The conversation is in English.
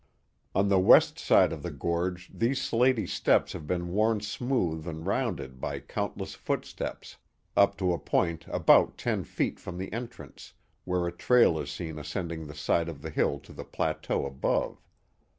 On the west side of the gorge these slaty steps have been worn smooth and rounded by countless footsteps, up to a point about ten feet from the entrance, where a trail is seen ascending the side of the hill to the plateau above.